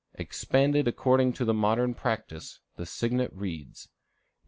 |++ Expanded according to the modern practice, the signet reads: C.